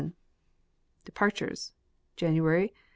h3 >< DEPARTURES. January